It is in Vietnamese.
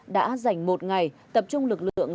đã dành một ngày tập trung lực lượng